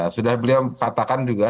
sudah beliau katakan juga